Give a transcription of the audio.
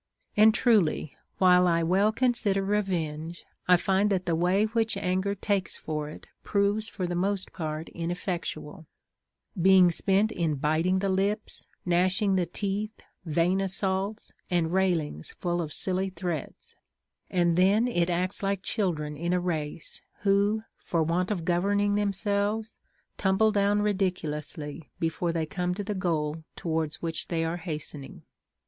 And truly, while I well consider revenge, 1 fmd that the way which anger takes for it proves for the most part ineifectual, being spent in biting the lips, gnash ing the teeth, vain assaults, and railings full of silly threats ; and then it acts like children in a race, who, for want of governing themselves, tumble down ridiculously before they come to the goal towards which they are has tening.